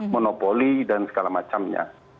monopoli dan segala macamnya